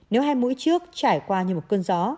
nếu hai mũi trước trải qua như một cơn gió